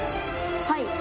はい。